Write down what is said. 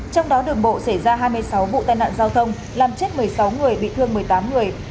trong đó đường bộ xảy ra hai mươi sáu vụ tai nạn giao thông làm chết một mươi sáu người bị thương một mươi tám người